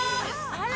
あら！